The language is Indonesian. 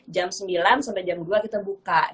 jam sembilan sampai jam dua kita buka